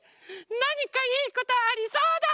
なにかいいことありそうだ！